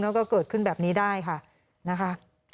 แล้วก็เกิดขึ้นแบบนี้ได้ค่ะนะคะ